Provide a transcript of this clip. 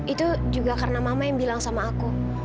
itu juga karena mama yang bilang sama aku